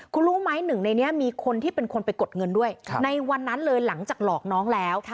คุณรู้ไหมหนึ่งในนี้มีคนที่เป็นคนไปกดเงินด้วยในวันนั้นเลยหลังจากหลอกน้องแล้ว